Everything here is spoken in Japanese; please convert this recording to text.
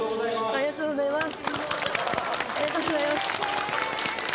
ありがとうございます！